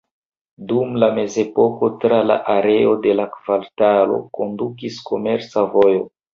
Dum la mezepoko tra la areo de la kvartalo kondukis komerca vojo.